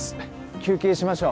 休憩しましょう。